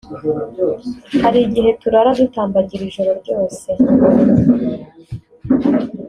hari igihe turara dutambagira ijoro ryose